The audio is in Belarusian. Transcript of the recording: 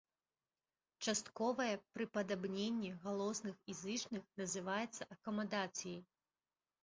Частковае прыпадабненне галосных і зычных называецца акамадацыяй.